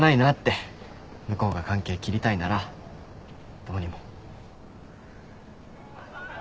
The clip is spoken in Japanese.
向こうが関係切りたいならどうにも。